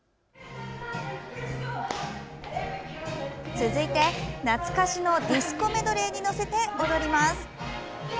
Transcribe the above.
続いて、懐かしのディスコメドレーに乗せて踊ります。